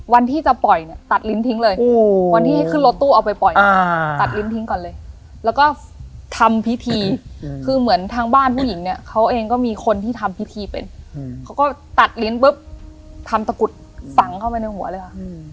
วันที่จะปล่อยเนี้ยตัดลิ้นทิ้งเลยวันที่ให้ขึ้นรถตู้เอาไปปล่อยตัดลิ้นทิ้งก่อนเลย